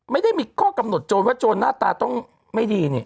ไม่ได้มีข้อกำหนดโจรว่าโจรหน้าตาต้องไม่ดีนี่